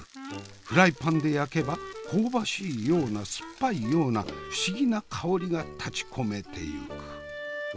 フライパンで焼けば香ばしいような酸っぱいような不思議な香りが立ちこめていく。